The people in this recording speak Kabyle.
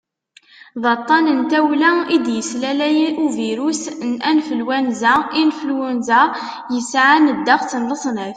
d aṭṭan n tawla i d-yeslalay ubirus n anflwanza influenza yesɛan ddeqs n leṣnaf